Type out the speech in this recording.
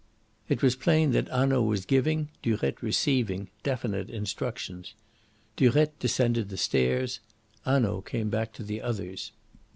It was plain that Hanaud was giving, Durette receiving, definite instructions. Durette descended the stairs; Hanaud came back to the others.